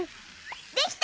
できた！